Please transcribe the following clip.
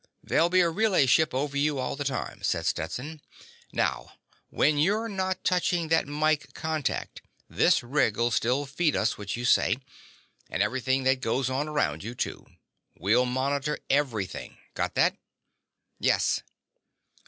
"There'll be a relay ship over you all the time," said Stetson. "Now ... when you're not touching that mike contact this rig'll still feed us what you say ... and everything that goes on around you, too. We'll monitor everything. Got that?" "Yes."